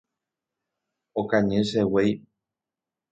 Okañy che guéi.